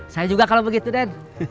saya juga kalau begitu den